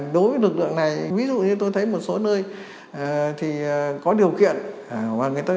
đối với lực lượng này ví dụ như tôi thấy một số nơi thì có điều kiện